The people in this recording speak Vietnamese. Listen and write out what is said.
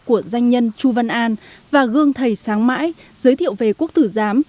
của doanh nhân chu văn an và gương thầy sáng mãi giới thiệu về quốc tử giám